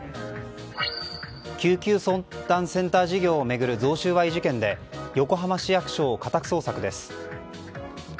救急相談センター事業を巡る贈収賄事件で横浜市役所を家宅捜索です。